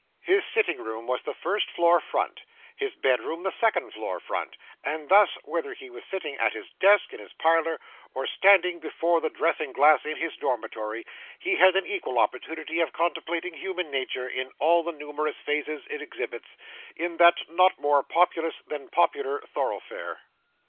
His sitting room was the first floor front, his bedroom the second floor front; and thus, whether he were sitting at his desk in his parlour, or standing before the dressing glass in his dormitory, he had an equal opportunity of contemplating human nature in all the numerous phases it exhibits, in that not more populous than popular thoroughfare.